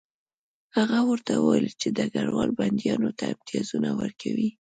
هغه ورته وویل چې ډګروال بندیانو ته امتیازونه ورکوي